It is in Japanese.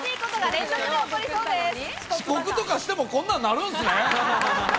遅刻とかしても、こんなんなるんすね。